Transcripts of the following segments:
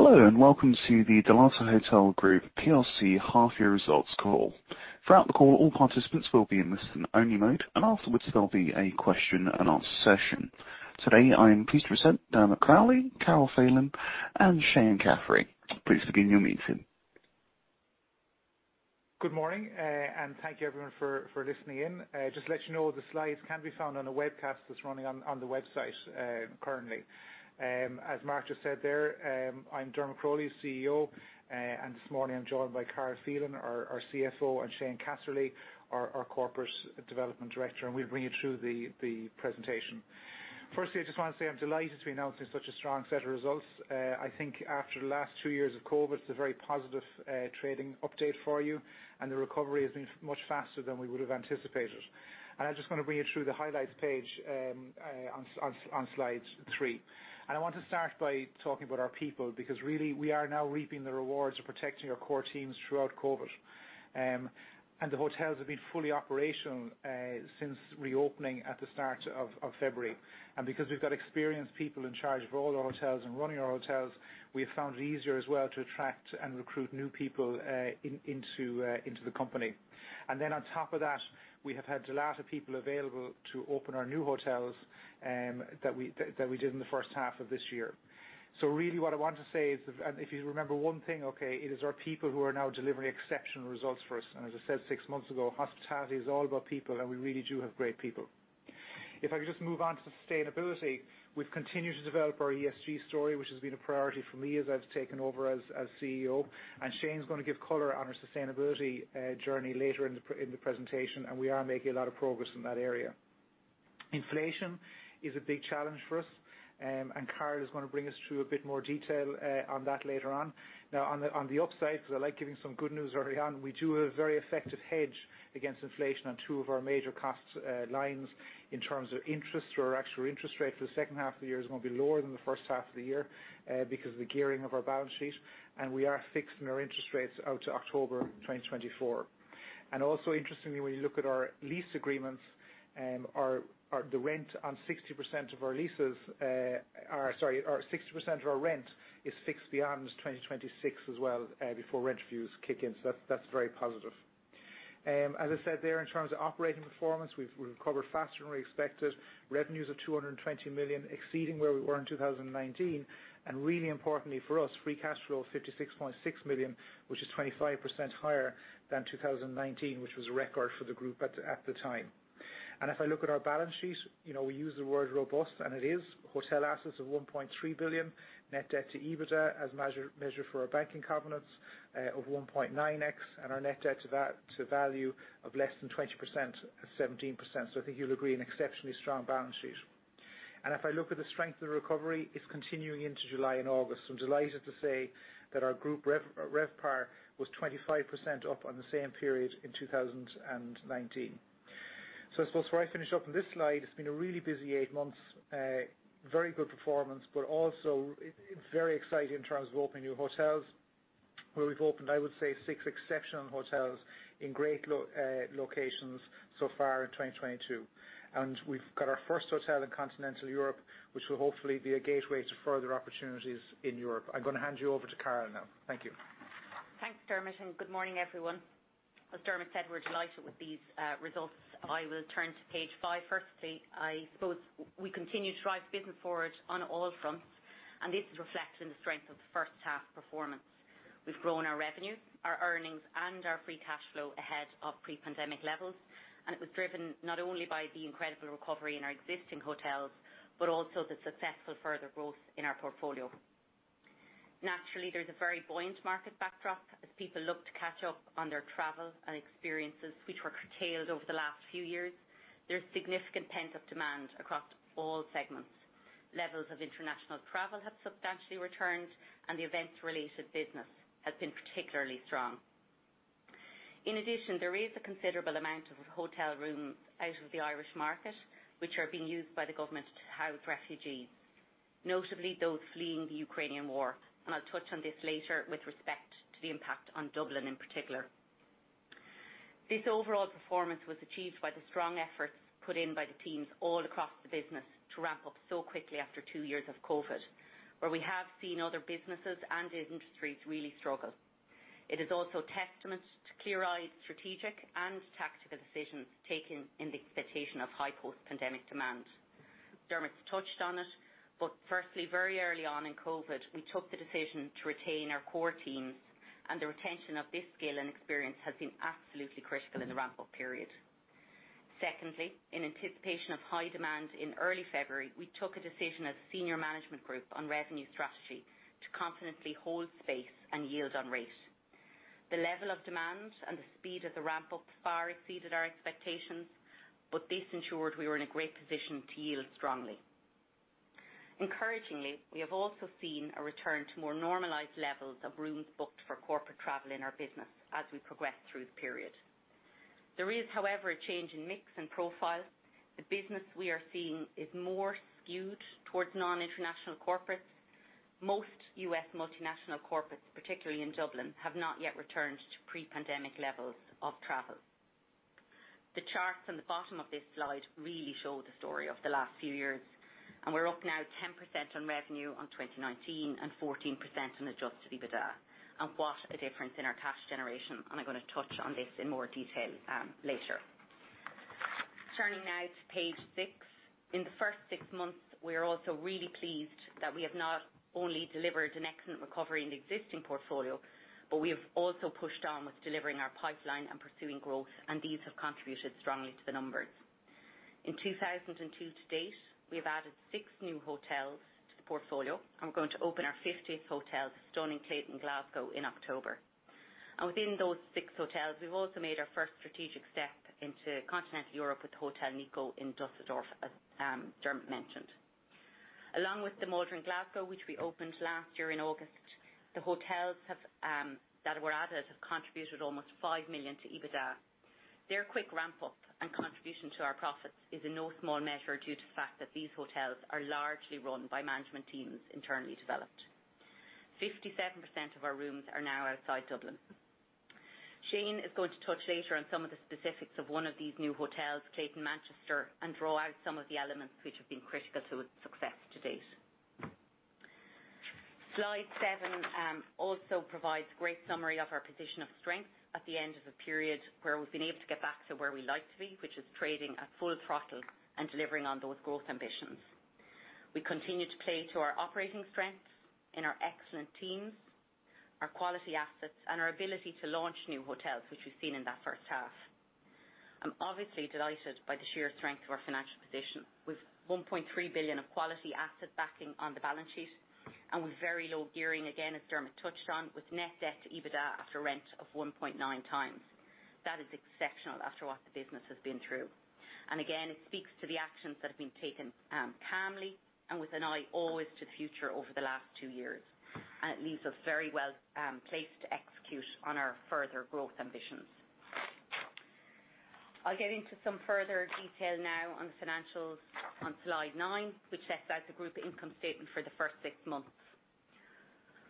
Hello, and welcome to the Dalata Hotel Group plc half-year results call. Throughout the call, all participants will be in listen-only mode, and afterwards, there'll be a question and answer session. Today, I am pleased to present Dermot Crowley, Carol Phelan, and Shane Casserly. Please begin your meeting. Good morning, thank you, everyone, for listening in. Just to let you know, the slides can be found on a webcast that's running on the website currently. As Mark just said there, I'm Dermot Crowley, CEO, and this morning I'm joined by Carol Phelan, our CFO, and Shane Casserly, our corporate development director, and we'll bring you through the presentation. Firstly, I just wanna say I'm delighted to be announcing such a strong set of results. I think after the last two years of COVID, it's a very positive trading update for you, and the recovery has been much faster than we would've anticipated. I just wanna bring you through the highlights page on slide three. I want to start by talking about our people because really we are now reaping the rewards of protecting our core teams throughout COVID. The hotels have been fully operational since reopening at the start of February. Because we've got experienced people in charge of all our hotels and running our hotels, we have found it easier as well to attract and recruit new people into the company. Then on top of that, we have had a lot of people available to open our new hotels that we did in the first half of this year. Really what I want to say is, if you remember one thing, okay, it is our people who are now delivering exceptional results for us. As I said six months ago, hospitality is all about people, and we really do have great people. If I could just move on to sustainability. We've continued to develop our ESG story, which has been a priority for me as I've taken over as CEO, and Shane's gonna give color on our sustainability journey later in the presentation, and we are making a lot of progress in that area. Inflation is a big challenge for us, and Carol is gonna bring us through a bit more detail on that later on. Now, on the upside, because I like giving some good news early on, we do have a very effective hedge against inflation on two of our major cost lines in terms of interest. Our actual interest rate for the second half of the year is gonna be lower than the first half of the year, because of the gearing of our balance sheet, and we are fixed in our interest rates out to October 2024. Also interestingly, when you look at our lease agreements, our 60% of our rent is fixed beyond 2026 as well, before rent reviews kick in. That's very positive. As I said there, in terms of operating performance, we've recovered faster than we expected. Revenues of 220 million, exceeding where we were in 2019, and really importantly for us, free cash flow of 56.6 million, which is 25% higher than 2019, which was a record for the group at the time. If I look at our balance sheet, you know, we use the word robust, and it is. Hotel assets of 1.3 billion. Net debt to EBITDA, as measured for our banking covenants, of 1.9x, and our net debt to value of less than 20% at 17%. I think you'll agree, an exceptionally strong balance sheet. If I look at the strength of the recovery, it's continuing into July and August. I'm delighted to say that our group RevPAR was 25% up on the same period in 2019. I suppose where I finish up on this slide, it's been a really busy eight months. Very good performance, but also very exciting in terms of opening new hotels, where we've opened, I would say, six exceptional hotels in great locations so far in 2022. We've got our first hotel in continental Europe, which will hopefully be a gateway to further opportunities in Europe. I'm gonna hand you over to Carol now. Thank you. Thanks, Dermot, and good morning, everyone. As Dermot said, we're delighted with these results. I will turn to page five. Firstly, I suppose we continue to drive the business forward on all fronts, and this is reflected in the strength of the first half performance. We've grown our revenue, our earnings, and our free cash flow ahead of pre-pandemic levels, and it was driven not only by the incredible recovery in our existing hotels but also the successful further growth in our portfolio. Naturally, there's a very buoyant market backdrop as people look to catch up on their travel and experiences which were curtailed over the last few years. There's significant pent-up demand across all segments. Levels of international travel have substantially returned, and the events-related business has been particularly strong. In addition, there is a considerable amount of hotel rooms out of the Irish market which are being used by the government to house refugees, notably those fleeing the Ukrainian war, and I'll touch on this later with respect to the impact on Dublin in particular. This overall performance was achieved by the strong efforts put in by the teams all across the business to ramp up so quickly after two years of COVID, where we have seen other businesses and industries really struggle. It is also testament to clear-eyed strategic and tactical decisions taken in the expectation of high post-pandemic demand. Dermot's touched on it, but firstly, very early on in COVID, we took the decision to retain our core teams, and the retention of this skill and experience has been absolutely critical in the ramp-up period. Secondly, in anticipation of high demand in early February, we took a decision as senior management group on revenue strategy to confidently hold space and yield on rate. The level of demand and the speed of the ramp-up far exceeded our expectations, but this ensured we were in a great position to yield strongly. Encouragingly, we have also seen a return to more normalized levels of rooms booked for corporate travel in our business as we progress through the period. There is, however, a change in mix and profile. The business we are seeing is more skewed towards non-international corporates. Most U.S. multinational corporates, particularly in Dublin, have not yet returned to pre-pandemic levels of travel. The charts on the bottom of this slide really show the story of the last few years. We're up now 10% on revenue on 2019, and 14% on adjusted EBITDA. What a difference in our cash generation, and I'm gonna touch on this in more detail, later. Turning now to page six. In the first six months, we are also really pleased that we have not only delivered an excellent recovery in the existing portfolio, but we have also pushed on with delivering our pipeline and pursuing growth, and these have contributed strongly to the numbers. In 2022 to date, we have added six new hotels to the portfolio, and we're going to open our 50th hotel, the stunning Clayton Glasgow, in October. Within those six hotels, we've also made our first strategic step into continental Europe with the Hotel Nikko Düsseldorf, as Dermot mentioned. Along with the Maldron Glasgow, which we opened last year in August, the hotels that were added have contributed almost 5 million to EBITDA. Their quick ramp up and contribution to our profits is in no small measure due to the fact that these hotels are largely run by management teams internally developed. 57% of our rooms are now outside Dublin. Shane is going to touch later on some of the specifics of one of these new hotels, Clayton Manchester, and draw out some of the elements which have been critical to its success to date. Slide 7 also provides great summary of our position of strength at the end of a period where we've been able to get back to where we like to be, which is trading at full throttle and delivering on those growth ambitions. We continue to play to our operating strengths in our excellent teams, our quality assets, and our ability to launch new hotels, which we've seen in that first half. I'm obviously delighted by the sheer strength of our financial position. With 1.3 billion of quality asset backing on the balance sheet and with very low gearing, again, as Dermot touched on, with net debt to EBITDA after rent of 1.9 times. That is exceptional after what the business has been through. Again, it speaks to the actions that have been taken, calmly and with an eye always to the future over the last 2 years. It leaves us very well placed to execute on our further growth ambitions. I'll get into some further detail now on the financials on slide 9, which sets out the group income statement for the first six months.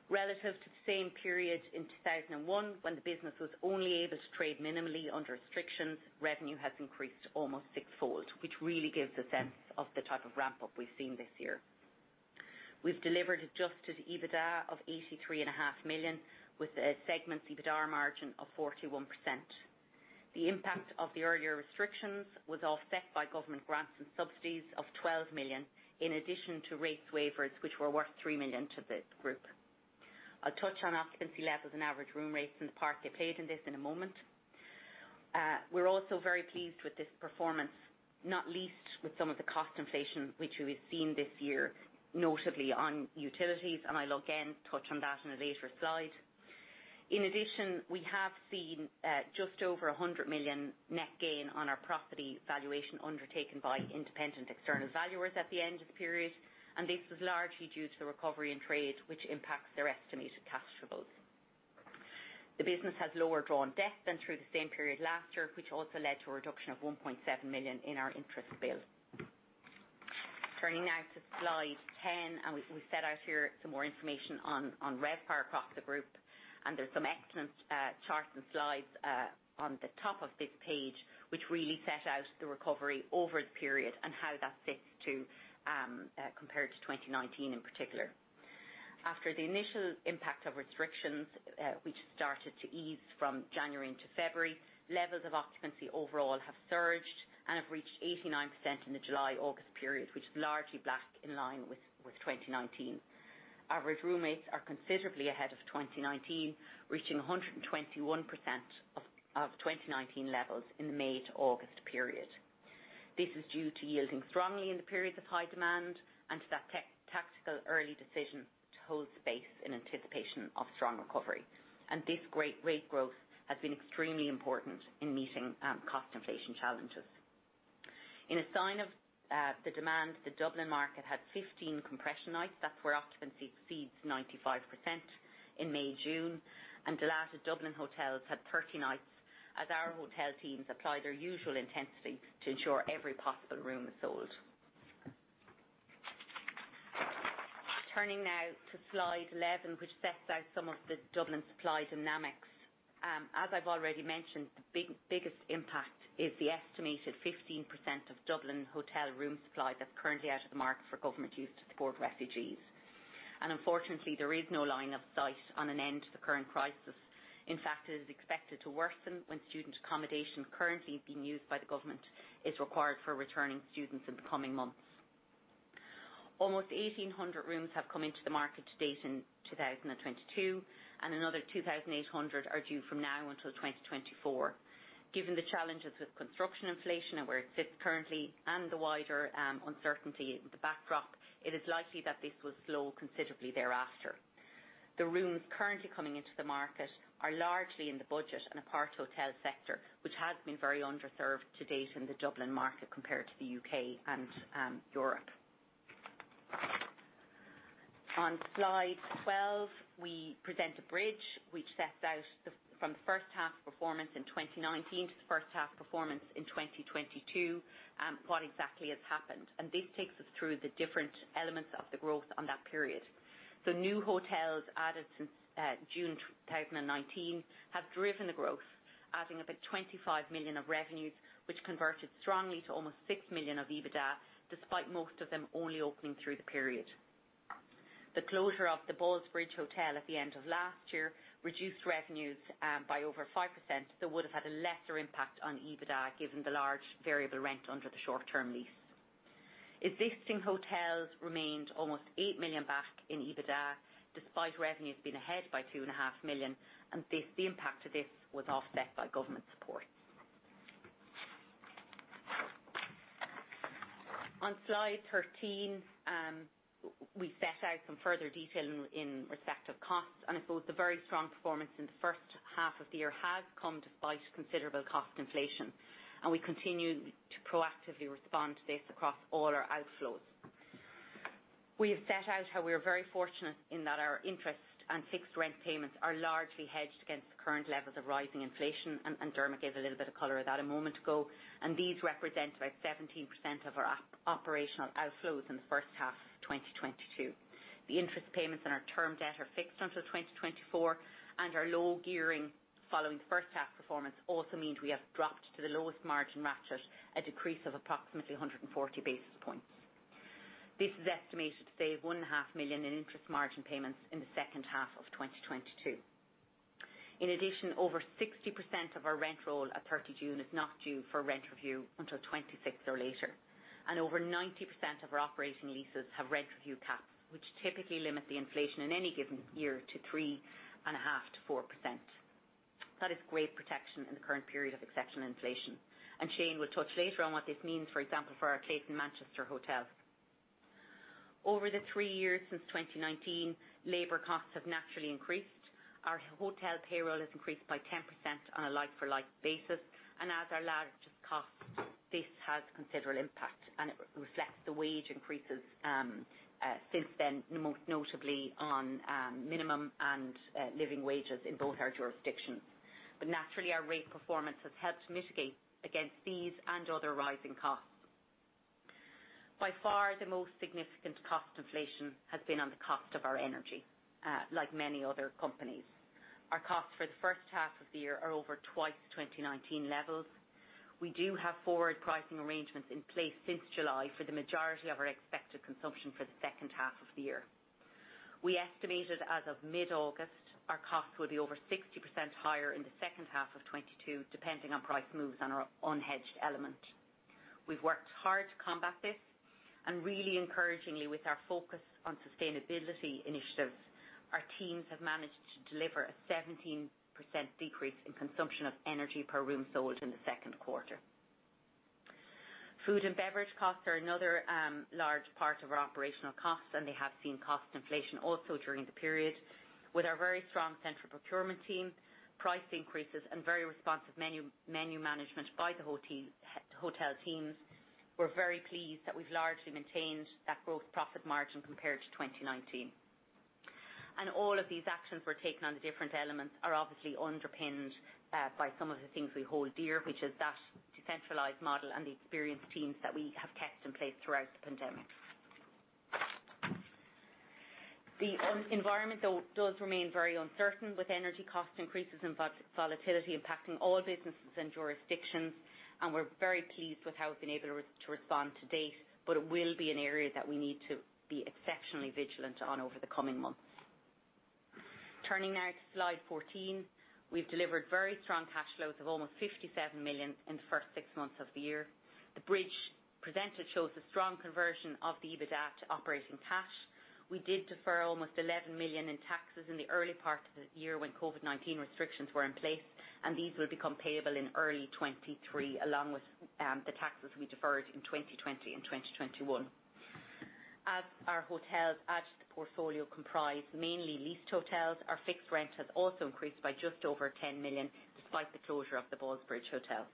Relative to the same period in 2001 when the business was only able to trade minimally under restrictions, revenue has increased almost six-fold, which really gives a sense of the type of ramp up we've seen this year. We've delivered adjusted EBITDA of 83 and a half million, with a segment EBITDA margin of 41%. The impact of the earlier restrictions was offset by government grants and subsidies of 12 million, in addition to rate waivers, which were worth 3 million to the group. I'll touch on occupancy levels and average room rates and the part they played in this in a moment. We're also very pleased with this performance, not least with some of the cost inflation which we have seen this year, notably on utilities, and I'll again touch on that in a later slide. In addition, we have seen just over 100 million net gain on our property valuation undertaken by independent external valuers at the end of the period, and this is largely due to the recovery in trade, which impacts their estimated cash flow. The business has lower drawn debt than through the same period last year, which also led to a reduction of 1.7 million in our interest bill. Turning now to slide 10. We set out here some more information on RevPAR across the group. There's some excellent charts and slides on the top of this page, which really set out the recovery over the period and how that compared to 2019 in particular. After the initial impact of restrictions, which started to ease from January into February, levels of occupancy overall have surged and have reached 89% in the July-August period, which is largely back in line with 2019. Average room rates are considerably ahead of 2019, reaching 121% of 2019 levels in the May to August period. This is due to yielding strongly in the periods of high demand and to that tactical early decision to hold space in anticipation of strong recovery. This great rate growth has been extremely important in meeting cost inflation challenges. In a sign of the demand, the Dublin market had 15 compression nights. That's where occupancy exceeds 95% in May-June. Dalata Dublin hotels had 30 nights, as our hotel teams apply their usual intensity to ensure every possible room is sold. Turning now to slide 11, which sets out some of the Dublin supply and dynamics. As I've already mentioned, the biggest impact is the estimated 15% of Dublin hotel room supply that's currently out of the market for government use to support refugees. Unfortunately, there is no line of sight on an end to the current crisis. In fact, it is expected to worsen when student accommodation currently being used by the government is required for returning students in the coming months. Almost 1,800 rooms have come into the market to date in 2022, and another 2,800 are due from now until 2024. Given the challenges of construction inflation and where it sits currently and the wider uncertainty in the backdrop, it is likely that this will slow considerably thereafter. The rooms currently coming into the market are largely in the budget and apart hotel sector, which has been very underserved to date in the Dublin market compared to the UK and Europe. On slide 12, we present a bridge which sets out the, from the first half performance in 2019 to the first half performance in 2022, what exactly has happened. This takes us through the different elements of the growth on that period. The new hotels added since June 2019 have driven the growth. Adding about 25 million of revenues, which converted strongly to almost 6 million of EBITDA, despite most of them only opening through the period. The closure of the Ballsbridge Hotel at the end of last year reduced revenues by over 5% that would've had a lesser impact on EBITDA, given the large variable rent under the short-term lease. Existing hotels remained almost 8 million back in EBITDA despite revenues being ahead by 2.5 million, and the impact of this was offset by government support. On slide 13, we set out some further detail in respect of costs, and I suppose the very strong performance in the first half of the year has come despite considerable cost inflation, and we continue to proactively respond to this across all our outflows. We have set out how we are very fortunate in that our interest and fixed rent payments are largely hedged against the current levels of rising inflation, and Dermot gave a little bit of color of that a moment ago. These represent about 17% of our operational outflows in the first half of 2022. The interest payments on our term debt are fixed until 2024, and our low gearing following the first half performance also means we have dropped to the lowest margin ratchet, a decrease of approximately 140 basis points. This is estimated to save 1.5 million in interest margin payments in the second half of 2022. In addition, over 60% of our rent roll at 30 June is not due for rent review until 2026 or later, and over 90% of our operating leases have rent review caps, which typically limit the inflation in any given year to 3.5%-4%. That is great protection in the current period of exceptional inflation. Shane will touch later on what this means, for example, for our Clayton Manchester Hotel. Over the 3 years since 2019, labor costs have naturally increased. Our hotel payroll has increased by 10% on a like for like basis, and as our largest cost, this has considerable impact, and it reflects the wage increases since then, most notably on minimum and living wages in both our jurisdictions. Naturally, our rate performance has helped mitigate against these and other rising costs. By far, the most significant cost inflation has been on the cost of our energy, like many other companies. Our costs for the first half of the year are over twice the 2019 levels. We do have forward pricing arrangements in place since July for the majority of our expected consumption for the second half of the year. We estimated as of mid-August, our costs will be over 60% higher in the second half of 2022, depending on price moves on our unhedged element. We've worked hard to combat this, and really encouragingly, with our focus on sustainability initiatives, our teams have managed to deliver a 17% decrease in consumption of energy per room sold in the Q2. Food and beverage costs are another large part of our operational costs, and they have seen cost inflation also during the period. With our very strong central procurement team, price increases and very responsive menu management by the whole team, hotel teams, we're very pleased that we've largely maintained that gross profit margin compared to 2019. All of these actions we're taking on the different elements are obviously underpinned by some of the things we hold dear, which is that decentralized model and the experienced teams that we have kept in place throughout the pandemic. The environment though does remain very uncertain with energy cost increases and volatility impacting all businesses and jurisdictions, and we're very pleased with how we've been able to respond to date, but it will be an area that we need to be exceptionally vigilant on over the coming months. Turning now to slide 14. We've delivered very strong cash flows of almost 57 million in the first six months of the year. The bridge presented shows a strong conversion of the EBITDA to operating cash. We did defer almost 11 million in taxes in the early part of the year when COVID-19 restrictions were in place, and these will become payable in early 2023, along with the taxes we deferred in 2020 and 2021. As our hotels added to the portfolio comprise mainly leased hotels, our fixed rent has also increased by just over 10 million, despite the closure of the Ballsbridge Hotel.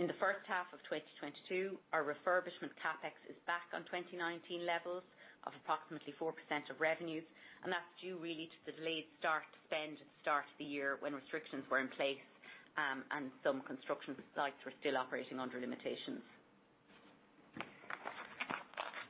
In the first half of 2022, our refurbishment CapEx is back on 2019 levels of approximately 4% of revenues, and that's due really to the delayed start to spend at the start of the year when restrictions were in place, and some construction sites were still operating under limitations.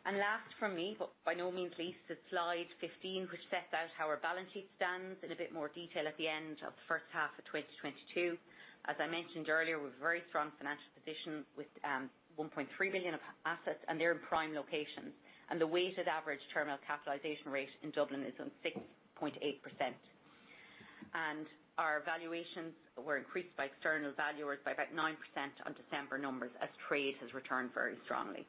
Last from me, but by no means least, is slide 15, which sets out how our balance sheet stands in a bit more detail at the end of the first half of 2022. As I mentioned earlier, we've a very strong financial position with 1.3 billion of assets, and they're in prime locations. The weighted average terminal capitalization rate in Dublin is 6.8%. Our valuations were increased by external valuers by about 9% on December numbers as trade has returned very strongly.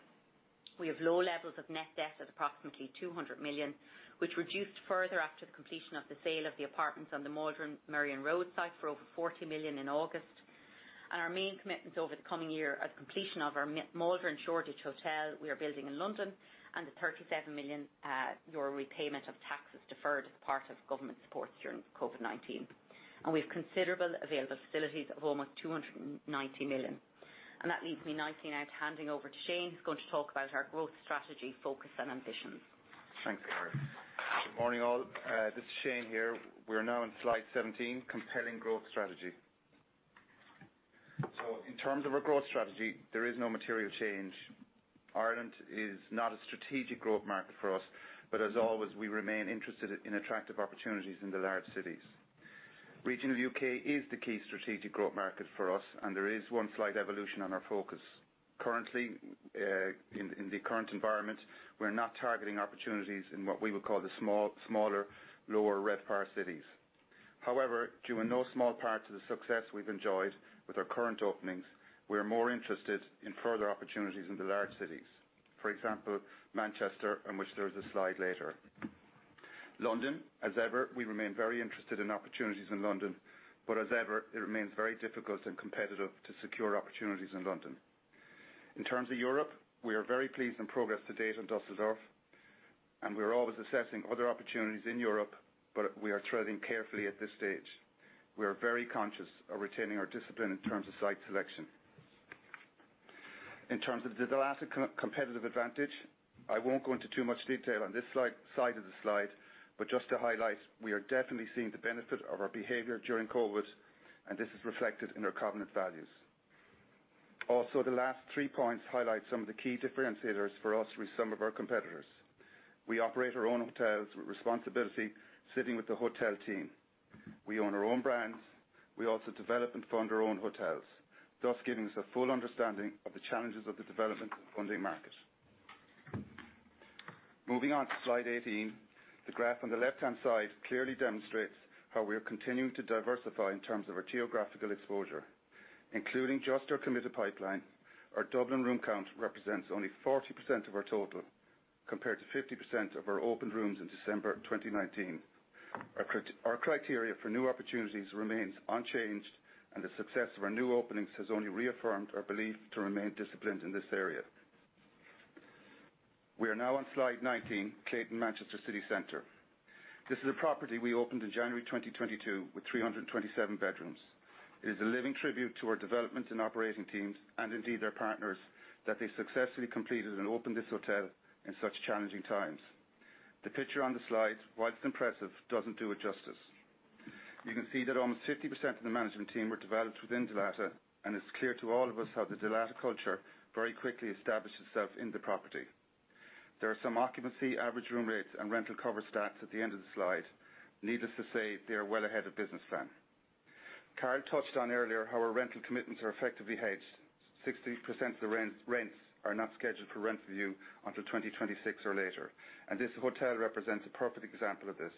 We have low levels of net debt at approximately 200 million, which reduced further after the completion of the sale of the apartments on the Maldron Hotel Merrion Road site for over 40 million in August. Our main commitments over the coming year are the completion of our Maldron Hotel Shoreditch we are building in London and the 37 million euro repayment of taxes deferred as part of government supports during COVID-19. We've considerable available facilities of almost 290 million. That leads me nicely now to handing over to Shane, who's going to talk about our growth strategy, focus, and ambitions. Thanks, Carol Phelan. Good morning, all. This is Shane here. We're now on slide 17, compelling growth strategy. In terms of our growth strategy, there is no material change. Ireland is not a strategic growth market for us, but as always, we remain interested in attractive opportunities in the large cities. Regional UK is the key strategic growth market for us, and there is one slight evolution on our focus. Currently, in the current environment, we're not targeting opportunities in what we would call the small, smaller, lower RevPAR cities. However, due in no small part to the success we've enjoyed with our current openings, we're more interested in further opportunities in the large cities. For example, Manchester, on which there's a slide later. London, as ever, we remain very interested in opportunities in London, but as ever, it remains very difficult and competitive to secure opportunities in London. In terms of Europe, we are very pleased with the progress to date in Düsseldorf, and we're always assessing other opportunities in Europe, but we are treading carefully at this stage. We are very conscious of retaining our discipline in terms of site selection. In terms of the Dalata competitive advantage, I won't go into too much detail on this slide, but just to highlight, we are definitely seeing the benefit of our behavior during COVID, and this is reflected in our covenant values. Also, the last three points highlight some of the key differentiators for us with some of our competitors. We operate our own hotels with responsibility sitting with the hotel team. We own our own brands. We also develop and fund our own hotels, thus giving us a full understanding of the challenges of the development funding market. Moving on to slide 18. The graph on the left-hand side clearly demonstrates how we are continuing to diversify in terms of our geographical exposure. Including just our committed pipeline, our Dublin room count represents only 40% of our total, compared to 50% of our open rooms in December 2019. Our criteria for new opportunities remains unchanged, and the success of our new openings has only reaffirmed our belief to remain disciplined in this area. We are now on slide 19, Clayton Manchester City Centre. This is a property we opened in January 2022 with 327 bedrooms. It is a living tribute to our development and operating teams, and indeed their partners, that they successfully completed and opened this hotel in such challenging times. The picture on the slide, while impressive, doesn't do it justice. You can see that almost 50% of the management team were developed within Dalata, and it's clear to all of us how the Dalata culture very quickly established itself in the property. There are some occupancy, average room rates, and rental cover stats at the end of the slide. Needless to say, they are well ahead of business plan. Carol touched on earlier how our rental commitments are effectively hedged. 60% of the rent, rents are not scheduled for rent review until 2026 or later, and this hotel represents a perfect example of this.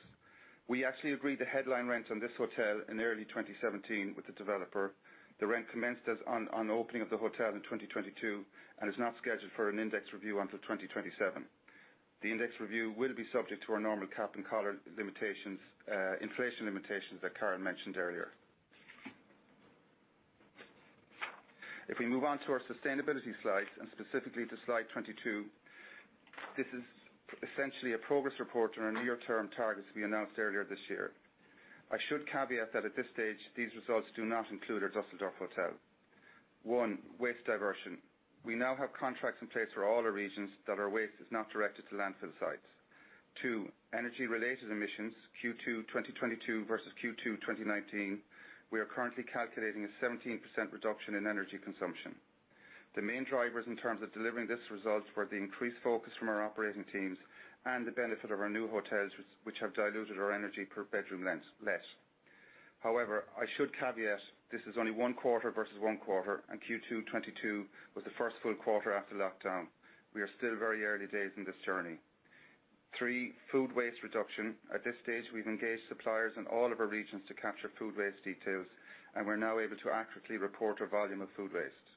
We actually agreed the headline rent on this hotel in early 2017 with the developer. The rent commenced on the opening of the hotel in 2022 and is not scheduled for an index review until 2027. The index review will be subject to our normal cap and collar limitations, inflation limitations that Carol mentioned earlier. If we move on to our sustainability slides, and specifically to slide 22, this is essentially a progress report on our near-term targets we announced earlier this year. I should caveat that at this stage, these results do not include our Düsseldorf hotel. One, waste diversion. We now have contracts in place for all our regions that our waste is not directed to landfill sites. Two, energy-related emissions, Q2 2022 versus Q2 2019. We are currently calculating a 17% reduction in energy consumption. The main drivers in terms of delivering this result were the increased focus from our operating teams and the benefit of our new hotels which have diluted our energy per bedroom lens less. However, I should caveat this is only one quarter versus one quarter, and Q2 2022 was the first full quarter after lockdown. We are still very early days in this journey. Three, food waste reduction. At this stage, we've engaged suppliers in all of our regions to capture food waste details, and we're now able to accurately report our volume of food waste.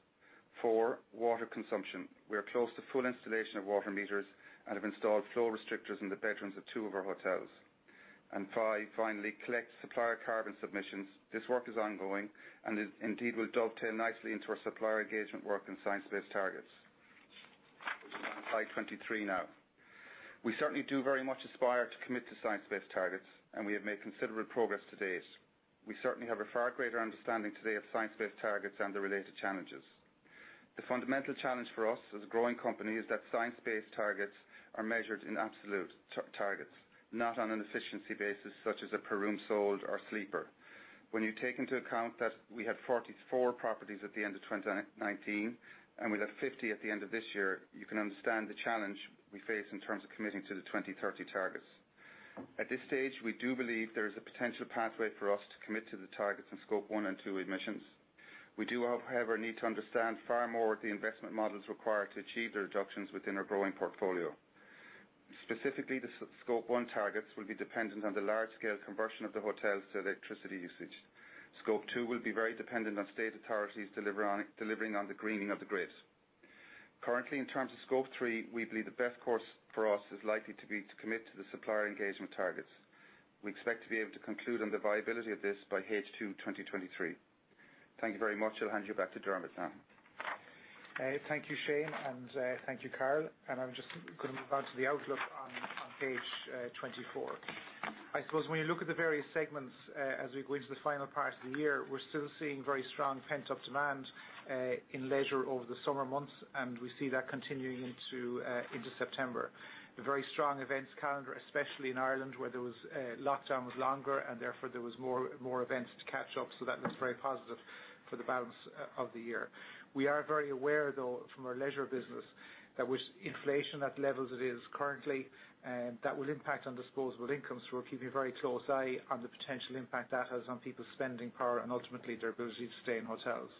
Four, water consumption. We are close to full installation of water meters and have installed flow restrictors in the bedrooms of two of our hotels. Five, finally, collect supplier carbon submissions. This work is ongoing and it indeed will dovetail nicely into our supplier engagement work and Science Based Targets. Slide 23 now. We certainly do very much aspire to commit to science-based targets, and we have made considerable progress to date. We certainly have a far greater understanding today of science-based targets and the related challenges. The fundamental challenge for us as a growing company is that science-based targets are measured in absolute targets, not on an efficiency basis such as a per room sold or sleeper. When you take into account that we had 44 properties at the end of 2019, and we'll have 50 at the end of this year, you can understand the challenge we face in terms of committing to the 2030 targets. At this stage, we do believe there is a potential pathway for us to commit to the targets in Scope 1 and 2 emissions. We do, however, need to understand far more the investment models required to achieve the reductions within our growing portfolio. Specifically, the Scope 1 targets will be dependent on the large-scale conversion of the hotel's electricity usage. Scope 2 will be very dependent on state authorities delivering on the greening of the grids. Currently, in terms of Scope 3, we believe the best course for us is likely to be to commit to the supplier engagement targets. We expect to be able to conclude on the viability of this by H2 2023. Thank you very much. I'll hand you back to Dermot now. Thank you, Shane, and thank you, Carol. I'm just gonna move on to the outlook on page 24. I suppose when you look at the various segments, as we go into the final part of the year, we're still seeing very strong pent-up demand, in leisure over the summer months, and we see that continuing into September. The very strong events calendar, especially in Ireland, where there was a lockdown was longer and therefore there was more events to catch up, so that looks very positive for the balance of the year. We are very aware, though, from our leisure business, that with inflation at the levels it is currently, that will impact on disposable incomes. We're keeping a very close eye on the potential impact that has on people's spending power and ultimately their ability to stay in hotels.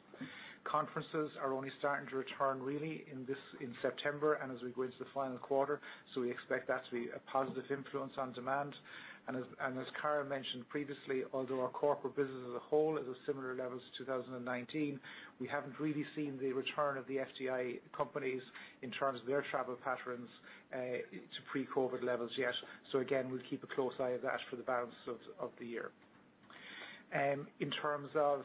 Conferences are only starting to return really in September and as we go into the final quarter. We expect that to be a positive influence on demand. As Carol mentioned previously, although our corporate business as a whole is at similar levels to 2019, we haven't really seen the return of the FDI companies in terms of their travel patterns to pre-COVID levels yet. Again, we'll keep a close eye on that for the balance of the year. In terms of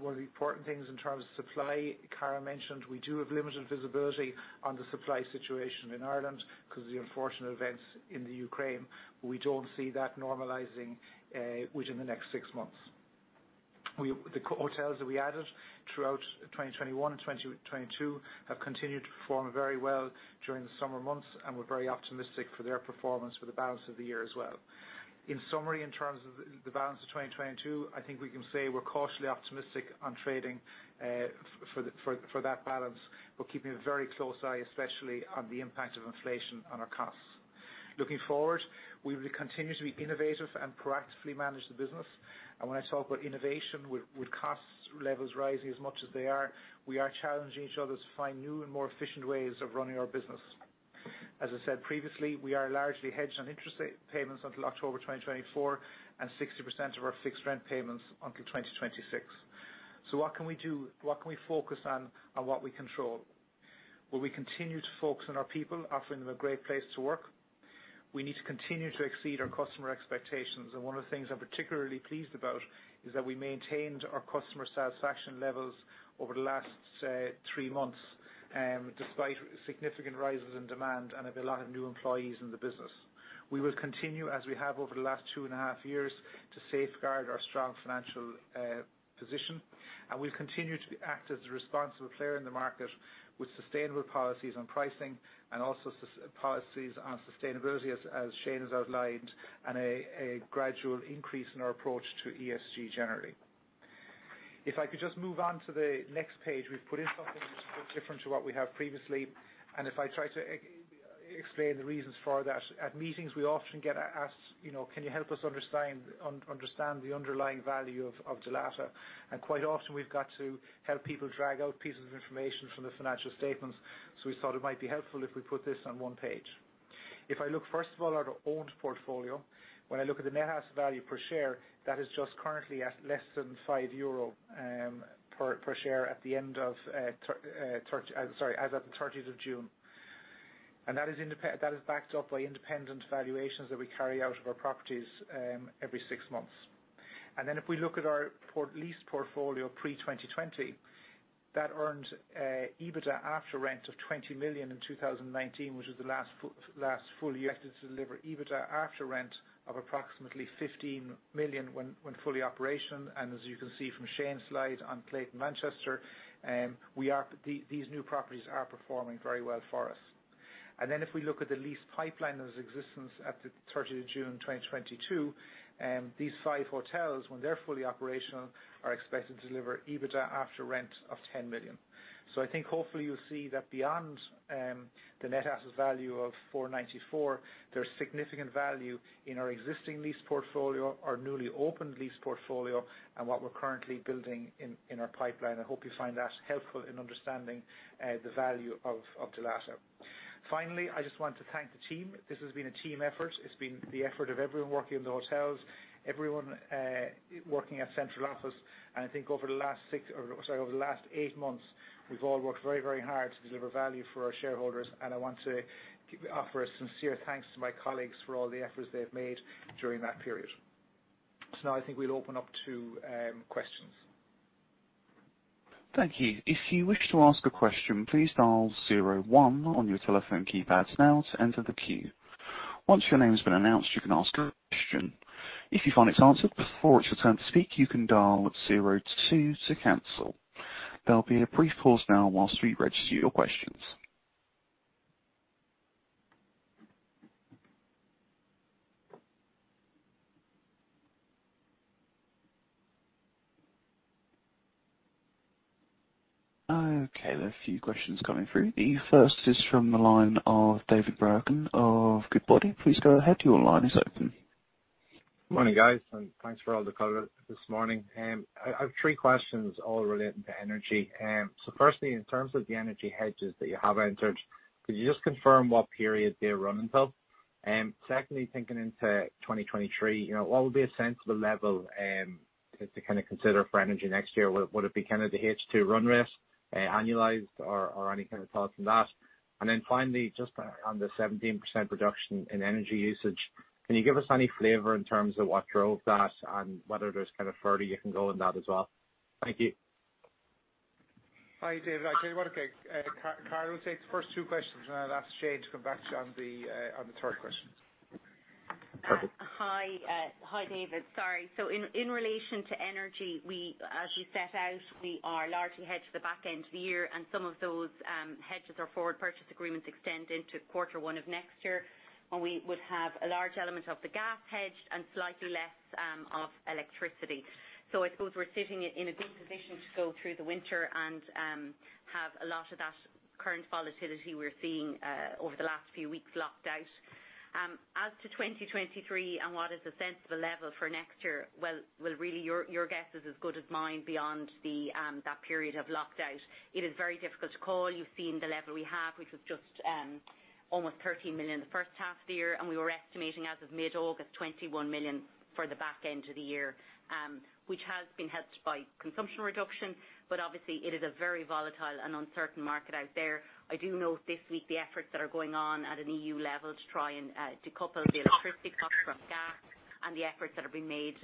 one of the important things in terms of supply, Carol mentioned we do have limited visibility on the supply situation in Ireland because of the unfortunate events in Ukraine. We don't see that normalizing within the next six months. The hotels that we added throughout 2021 and 2022 have continued to perform very well during the summer months, and we're very optimistic for their performance for the balance of the year as well. In summary, in terms of the balance of 2022, I think we can say we're cautiously optimistic on trading for that balance. We're keeping a very close eye, especially on the impact of inflation on our costs. Looking forward, we will continue to be innovative and proactively manage the business. When I talk about innovation, with cost levels rising as much as they are, we are challenging each other to find new and more efficient ways of running our business. As I said previously, we are largely hedged on interest payments until October 2024 and 60% of our fixed rent payments until 2026. What can we do? What can we focus on what we control? Well, we continue to focus on our people, offering them a great place to work. We need to continue to exceed our customer expectations. One of the things I'm particularly pleased about is that we maintained our customer satisfaction levels over the last three months despite significant rises in demand and of a lot of new employees in the business. We will continue, as we have over the last two and a half years, to safeguard our strong financial position. We'll continue to act as a responsible player in the market with sustainable policies on pricing and also policies on sustainability, as Shane has outlined, and a gradual increase in our approach to ESG generally. If I could just move on to the next page. We've put in something which is a bit different to what we had previously, and if I try to explain the reasons for that. At meetings, we often get asked, you know, "Can you help us understand the underlying value of Dalata?" Quite often we've got to help people drag out pieces of information from the financial statements, so we thought it might be helpful if we put this on one page. If I look, first of all, at our owned portfolio, when I look at the net asset value per share, that is just currently at less than 5 euro per share as at the 30th of June. That is backed up by independent valuations that we carry out of our properties every six months. If we look at our leased portfolio pre-2020, that earned EBITDA after rent of 20 million in 2019, which was the last full year to deliver EBITDA after rent of approximately 15 million when fully operational. As you can see from Shane's slide on Clayton Manchester, these new properties are performing very well for us. Then if we look at the leased pipeline that was in existence at the 30th of June 2022, these five hotels, when they're fully operational, are expected to deliver EBITDA after rent of 10 million. I think hopefully you'll see that beyond the net asset value of 494, there's significant value in our existing leased portfolio, our newly opened leased portfolio, and what we're currently building in our pipeline. I hope you find that helpful in understanding the value of Dalata. Finally, I just want to thank the team. This has been a team effort. It's been the effort of everyone working in the hotels, everyone working at central office. I think over the last six, or sorry, over the last eight months, we've all worked very, very hard to deliver value for our shareholders. I want to offer a sincere thanks to my colleagues for all the efforts they've made during that period. Now I think we'll open up to questions. Thank you. If you wish to ask a question, please dial zero one on your telephone keypads now to enter the queue. Once your name has been announced, you can ask your question. If you find it's answered before it's your turn to speak, you can dial zero two to cancel. There'll be a brief pause now while we register your questions. Okay, there are a few questions coming through. The first is from the line of David Bracken of Goodbody. Please go ahead, your line is open. Morning, guys, and thanks for all the color this morning. I have three questions all relating to energy. Firstly, in terms of the energy hedges that you have entered, could you just confirm what period they're running till? Secondly, thinking into 2023, you know, what would be a sensible level to kind of consider for energy next year? Would it be kind of the H2 run rate annualized or any kind of thought on that? Finally, just on the 17% reduction in energy usage, can you give us any flavor in terms of what drove that and whether there's kind of further you can go in that as well? Thank you. Hi, David. I tell you what, okay, Carol Phelan will take the first two questions, and I'll ask Shane Casserly to come back to you on the third question. Hi. Hi, David. Sorry. In relation to energy, as you set out, we are largely hedged the back end of the year, and some of those hedges or forward purchase agreements extend into quarter one of next year when we would have a large element of the gas hedged and slightly less of electricity. I suppose we're sitting in a good position to go through the winter and have a lot of that current volatility we're seeing over the last few weeks locked out. As to 2023 and what is the sensible level for next year, well, really your guess is as good as mine beyond that period of locked out. It is very difficult to call. You've seen the level we have, which was just almost 13 million the first half of the year, and we were estimating as of mid-August, 21 million for the back end of the year, which has been helped by consumption reduction. But obviously it is a very volatile and uncertain market out there. I do note this week the efforts that are going on at an EU level to try and decouple the electricity costs from gas and the efforts that are being made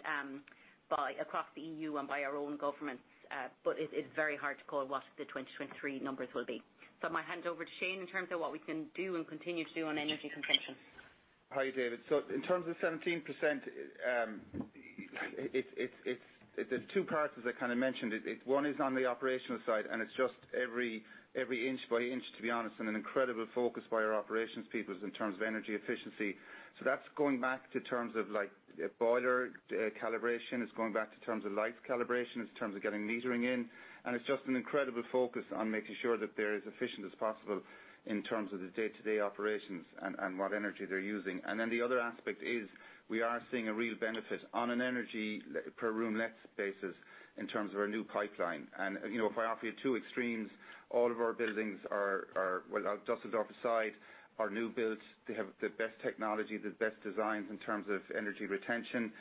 across the EU and by our own governments, but it's very hard to call what the 2023 numbers will be. I'm gonna hand over to Shane in terms of what we can do and continue to do on energy consumption. Hi, David. In terms of 17%, it's two parts, as I kinda mentioned. One is on the operational side, and it's just every inch by inch, to be honest, and an incredible focus by our operations people in terms of energy efficiency. That's going back to terms of, like, boiler calibration. It's going back to terms of lights calibration. It's in terms of getting metering in, and it's just an incredible focus on making sure that they're as efficient as possible in terms of the day-to-day operations and what energy they're using. Then the other aspect is we are seeing a real benefit on a lower energy per room lettable spaces in terms of our new pipeline. You know, if I offer you two extremes, all of our buildings are, well, Düsseldorf aside, new builds. They have the best technology, the best designs in terms of energy retention.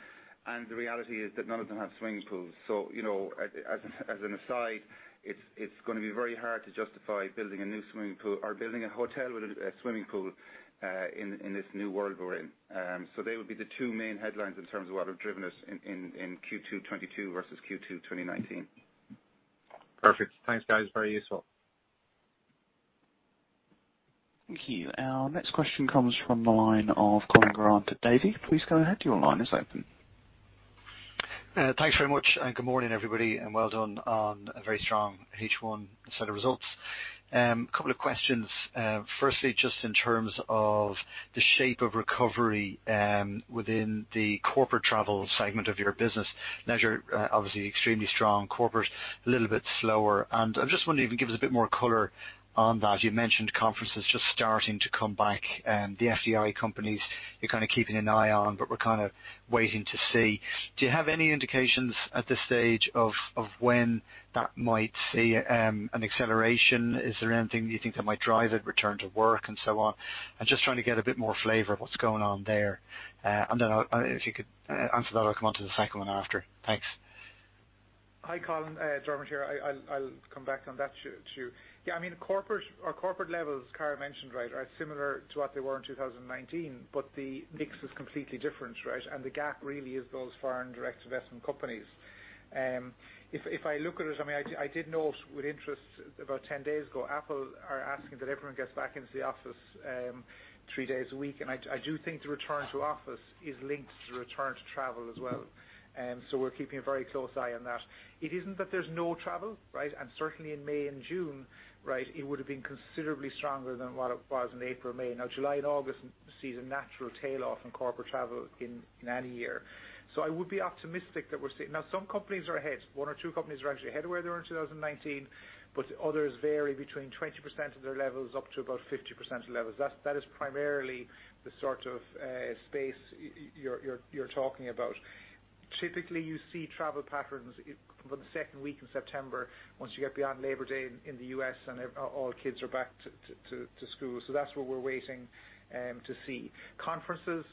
The reality is that none of them have swimming pools. You know, as an aside, it's gonna be very hard to justify building a new swimming pool or building a hotel with a swimming pool in this new world we're in. They would be the two main headlines in terms of what have driven us in Q2 2022 versus Q2 2019. Perfect. Thanks, guys. Very useful. Thank you. Our next question comes from the line of Colin Grant at Davy. Please go ahead. Your line is open. Thanks very much, and good morning, everybody, and well done on a very strong H1 set of results. Couple of questions. Firstly, just in terms of the shape of recovery, within the corporate travel segment of your business. Leisure, obviously extremely strong. Corporate, a little bit slower. I'm just wondering if you can give us a bit more color on that. You mentioned conferences just starting to come back and the FDI companies you're kinda keeping an eye on, but we're kinda waiting to see. Do you have any indications at this stage of when that might see an acceleration? Is there anything that you think that might drive it, return to work and so on? I'm just trying to get a bit more flavor of what's going on there. I mean, if you could answer that, I'll come on to the second one after. Thanks. Hi, Colin. Dermot here. I'll come back on that too. Yeah, I mean, corporate, our corporate levels Carol mentioned, right, are similar to what they were in 2019, but the mix is completely different, right? The gap really is those foreign direct investment companies. If I look at it, I mean, I did note with interest about 10 days ago, Apple are asking that everyone gets back into the office, three days a week. I do think the return to office is linked to the return to travel as well. We're keeping a very close eye on that. It isn't that there's no travel, right? Certainly in May and June, right, it would've been considerably stronger than what it was in April and May. Now, July and August see a natural tail off in corporate travel in any year. I would be optimistic that we're seeing. Now, some companies are ahead. One or two companies are actually ahead of where they were in 2019, but others vary between 20% of their levels up to about 50% of levels. That is primarily the sort of space you're talking about. Typically, you see travel patterns from the second week in September once you get beyond Labor Day in the U.S. and all kids are back to school. That's what we're waiting to see. Conferences,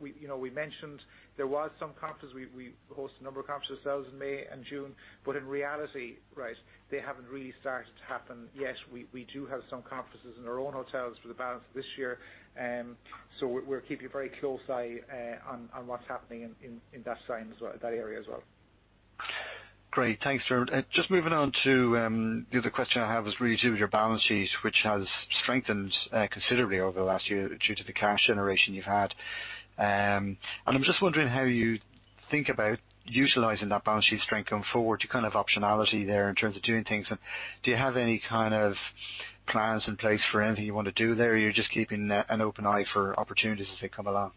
we you know, we mentioned there was some conferences. We host a number of conferences ourselves in May and June, but in reality, right, they haven't really started to happen yet. We do have some conferences in our own hotels for the balance of this year. We're keeping a very close eye on what's happening in that side as well, that area as well. Great. Thanks, Dermot. Just moving on to the other question I have is really to do with your balance sheet, which has strengthened considerably over the last year due to the cash generation you've had. I'm just wondering how you think about utilizing that balance sheet strength going forward to kind of optionality there in terms of doing things. Do you have any kind of plans in place for anything you want to do there, or you're just keeping a, an open eye for opportunities as they come along?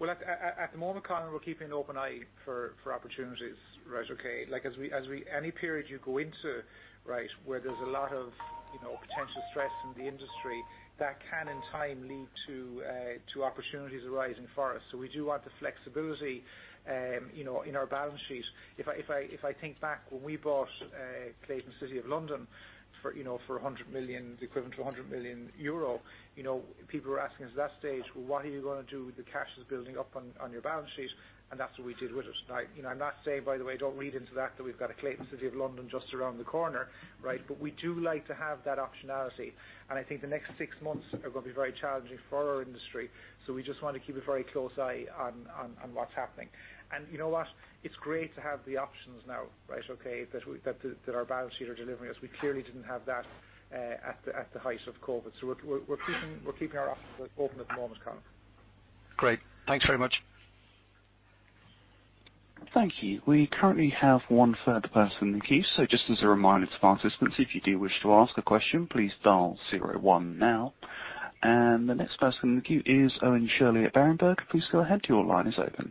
Well, at the moment, Colin, we're keeping an open eye for opportunities, right, okay? Like, any period you go into, right, where there's a lot of, you know, potential stress in the industry, that can in time lead to opportunities arising for us. So we do want the flexibility, you know, in our balance sheet. If I think back when we bought Clayton Hotel City of London for, you know, for 100 million, the equivalent to 100 million euro, you know, people were asking us at that stage, "Well, what are you gonna do with the cash that's building up on your balance sheet?" That's what we did with it, right? You know, I'm not saying, by the way, don't read into that we've got a Clayton Hotel City of London just around the corner, right? We do like to have that optionality, and I think the next six months are gonna be very challenging for our industry, so we just want to keep a very close eye on what's happening. You know what? It's great to have the options now, right, okay, that our balance sheet are delivering, as we clearly didn't have that at the height of COVID. We're keeping our options open at the moment, Colin. Great. Thanks very much. Thank you. We currently have one-third person in the queue. Just as a reminder to participants, if you do wish to ask a question, please dial zero one now. The next person in the queue is Owen Shirley at Berenberg. Please go ahead. Your line is open.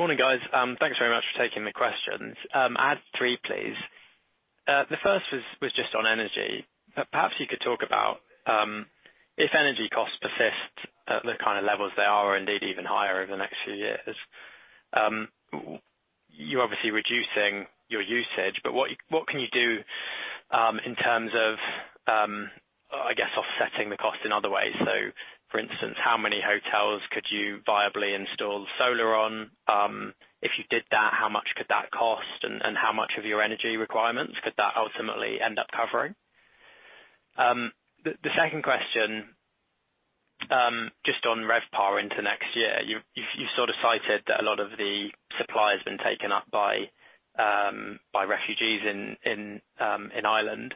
Morning, guys. Thanks very much for taking the questions. I have three, please. The first was just on energy. Perhaps you could talk about if energy costs persist at the kind of levels they are or indeed even higher over the next few years. You're obviously reducing your usage, but what can you do in terms of, I guess, offsetting the cost in other ways? For instance, how many hotels could you viably install solar on? If you did that, how much could that cost and how much of your energy requirements could that ultimately end up covering? The second question just on RevPAR into next year. You sort of cited that a lot of the supply has been taken up by refugees in Ireland.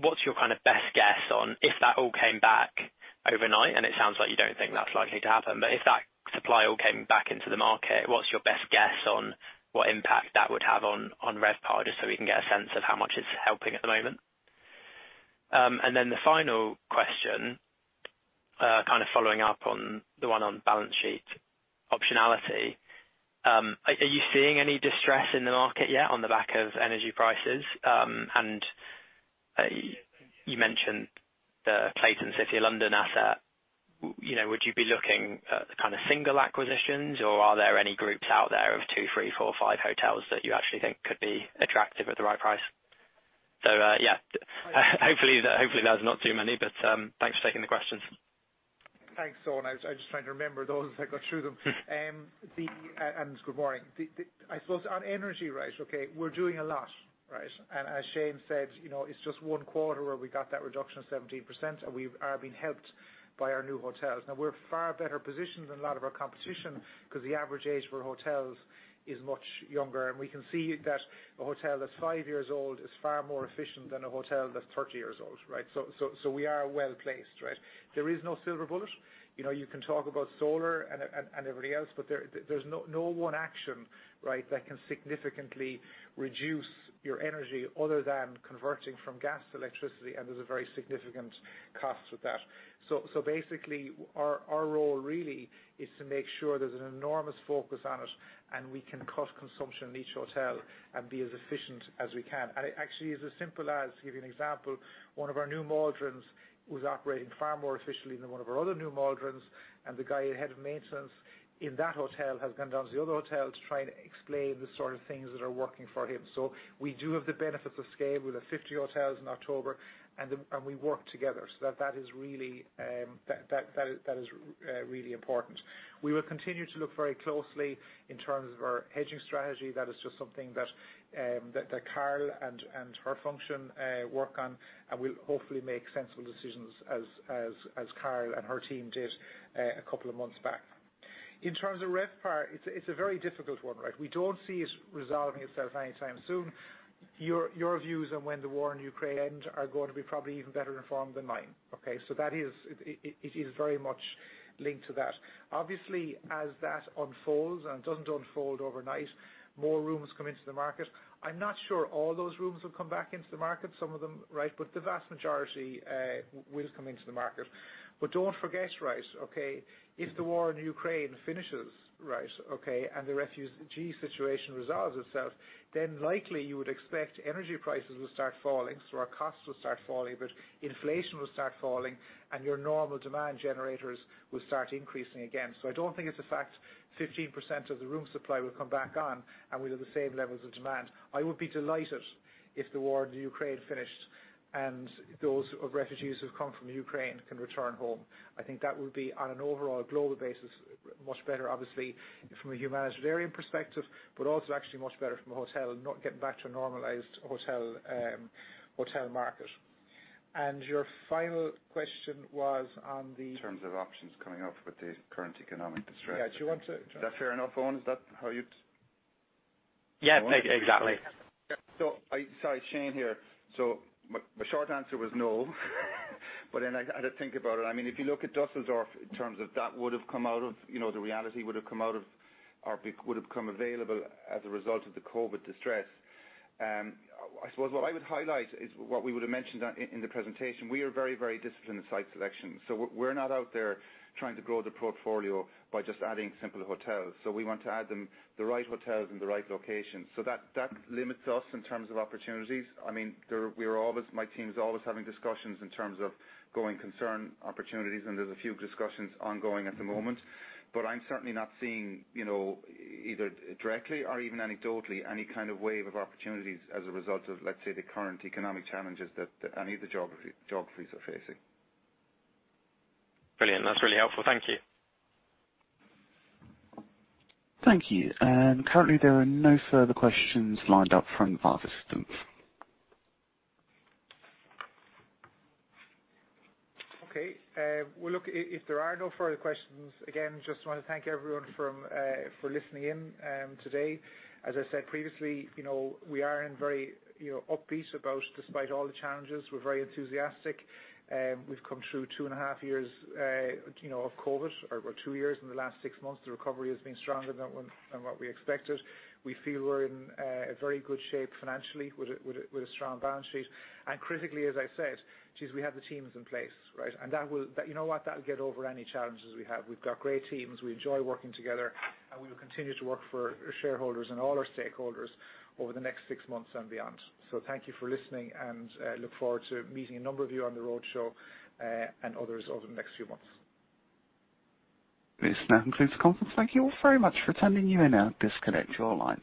What's your kind of best guess on if that all came back overnight, and it sounds like you don't think that's likely to happen, but if that supply all came back into the market, what's your best guess on what impact that would have on RevPAR, just so we can get a sense of how much it's helping at the moment? The final question, kind of following up on the one on balance sheet optionality, are you seeing any distress in the market yet on the back of energy prices? You mentioned the Clayton Hotel City of London asset. You know, would you be looking at kind of single acquisitions or are there any groups out there of two, three, four, five hotels that you actually think could be attractive at the right price? Yeah, hopefully that's not too many, but thanks for taking the questions. Thanks, Owen. I was just trying to remember those as I got through them. Good morning. I suppose on energy, right, okay, we're doing a lot, right? As Shane said, you know, it's just one quarter where we got that reduction of 17% and we are being helped by our new hotels. Now we're far better positioned than a lot of our competition because the average age for hotels is much younger and we can see that a hotel that's 5 years old is far more efficient than a hotel that's 30 years old, right? So we are well-placed, right? There is no silver bullet. You know, you can talk about solar and everything else, but there's no one action, right, that can significantly reduce your energy other than converting from gas to electricity, and there's a very significant cost with that. Basically our role really is to make sure there's an enormous focus on it and we can cut consumption in each hotel and be as efficient as we can. Actually it's as simple as, to give you an example, one of our new Maldron was operating far more efficiently than one of our other new Maldron, and the guy, head of maintenance in that hotel has gone down to the other hotel to try and explain the sort of things that are working for him. We do have the benefits of scale. We'll have 50 hotels in October and we work together. That is really important. We will continue to look very closely in terms of our hedging strategy. That is just something that Carol and her function work on and will hopefully make sensible decisions as Carol and her team did a couple of months back. In terms of RevPAR, it's a very difficult one, right? We don't see it resolving itself anytime soon. Your views on when the war in Ukraine ends are going to be probably even better informed than mine, okay? That is very much linked to that. Obviously, as that unfolds, and it doesn't unfold overnight, more rooms come into the market. I'm not sure all those rooms will come back into the market. Some of them, right, but the vast majority will come into the market. Don't forget, right, okay, if the war in Ukraine finishes, right, okay, and the refugee situation resolves itself, then likely you would expect energy prices will start falling, so our costs will start falling, but inflation will start falling and your normal demand generators will start increasing again. I don't think it's a fact 15% of the room supply will come back on and we'll have the same levels of demand. I would be delighted if the war in Ukraine finished and those refugees who've come from Ukraine can return home. I think that would be on an overall global basis much better, obviously from a humanitarian perspective, but also actually much better for hotels getting back to a normalized hotel market. Your final question was on the. In terms of options coming up with the current economic distress. Yeah. Is that fair enough, Owen? Is that how you Yes. Exactly. Sorry, Shane here. My short answer was no, but then I had to think about it. I mean, if you look at Düsseldorf in terms of that would have come out of, you know, the reality would have come out of, or would have come available as a result of the COVID distress. I suppose what I would highlight is what we would have mentioned in the presentation. We are very, very disciplined in site selection. We're not out there trying to grow the portfolio by just adding simple hotels. We want to add them, the right hotels in the right locations. That limits us in terms of opportunities. I mean, there, we're always, my team's always having discussions in terms of going concern opportunities, and there's a few discussions ongoing at the moment, but I'm certainly not seeing, you know, either directly or even anecdotally, any kind of wave of opportunities as a result of, let's say, the current economic challenges that any of the geographies are facing. Brilliant. That's really helpful. Thank you. Thank you. Currently there are no further questions lined up from our participants. Okay. Well look, if there are no further questions, again, just wanna thank everyone for listening in today. As I said previously, you know, we are very upbeat about despite all the challenges. We're very enthusiastic. We've come through two and a half years, you know, of COVID, or two years and the last six months, the recovery has been stronger than what we expected. We feel we're in a very good shape financially with a strong balance sheet. Critically, as I said, is we have the teams in place, right? That will, you know what? That'll get over any challenges we have. We've got great teams. We enjoy working together, and we will continue to work for shareholders and all our stakeholders over the next six months and beyond. Thank you for listening and look forward to meeting a number of you on the roadshow and others over the next few months. This now concludes the conference. Thank you all very much for attending. You may now disconnect your lines.